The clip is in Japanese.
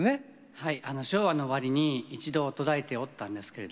はい。